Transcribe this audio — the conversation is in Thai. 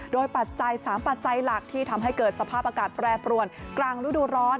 โดยปัจจัย๓ปัจจัยหลักที่ทำให้เกิดสภาพอากาศแปรปรวนกลางฤดูร้อน